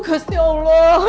aduh kasih allah